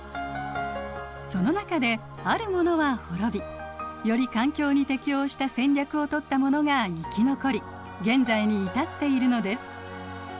その中であるものは滅びより環境に適応した戦略をとったものが生き残り現在に至っているのです。